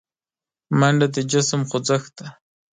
منډه د جسم خوځښت دی